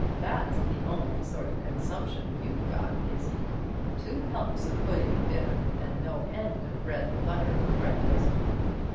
That's the only sort of consumption you've got, Izzie; two helps of pudding at dinner, and no end of bread and butter for breakfast."